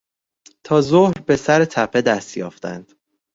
تا ظهر به سر تپه دست یافتند.